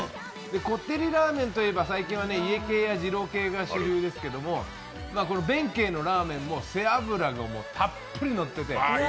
こってりラーメンといえば最近は家系や二郎系が主流ですけど弁慶のラーメンも背脂がたっぷりのってて。